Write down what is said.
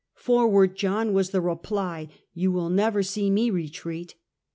" For ward, John," was the reply, "you will never see me retreat."